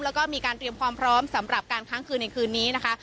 แล้วก็มีการเตรียมความพร้อมสำหรับการค้างคืนในคืนนี้นะคะ